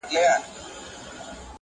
درته به وايي ستا د ښاريې سندري~